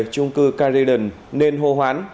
trung cư carydon nên hô hoán